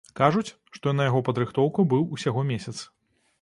Кажуць, што на яго падрыхтоўку быў усяго месяц.